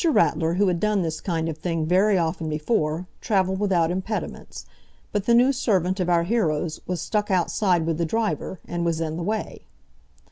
Ratler, who had done this kind of thing very often before, travelled without impediments, but the new servant of our hero's was stuck outside with the driver, and was in the way.